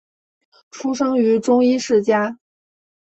出生于中医世家。